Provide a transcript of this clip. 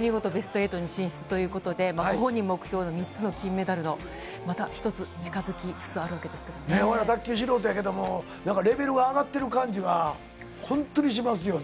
見事ベスト８に進出ということで、ご本人目標の３つの金メダルの、また一つに近づきつつあるわけで卓球素人やけれども、なんかレベルが上がってる感じは本当にしますよね。